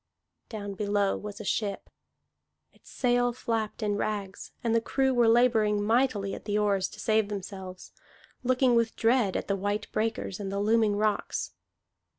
Down below was a ship; its sail flapped in rags, and the crew were laboring mightily at the oars to save themselves, looking with dread at the white breakers and the looming rocks.